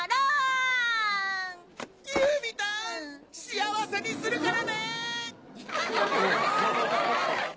幸せにするからね！ハハハ！